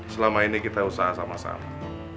selama ini kita usaha sama sama